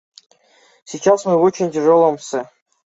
Сейчас мы в очень тяжелом с.